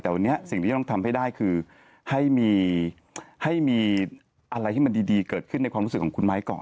แต่วันนี้สิ่งที่จะต้องทำให้ได้คือให้มีอะไรที่มันดีเกิดขึ้นในความรู้สึกของคุณไม้ก่อน